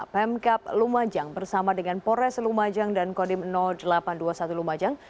pemkap lumajang bersama dengan polres lumajang dan kodim delapan ratus dua puluh satu lumajang